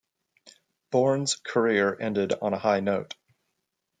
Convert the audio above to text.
Bourne's career ended on a high note.